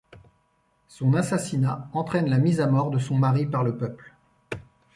Son assassinat entraine la mise à mort de son mari par le peuple.